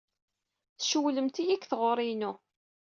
Tcewwlemt-iyi deg tɣuri-inu.